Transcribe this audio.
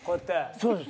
そうです。